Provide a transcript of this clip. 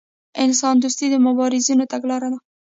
انسان دوستي د مبارزینو تګلاره ده.